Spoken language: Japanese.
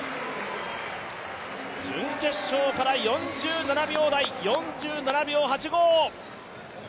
準決勝から４７秒台、４７秒８５。